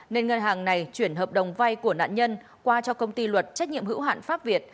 nên ngân hàng này chuyển hợp đồng vay của nạn nhân qua cho công ty luật trách nhiệm hữu hạn pháp việt